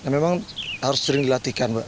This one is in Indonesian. memang harus sering dilatihkan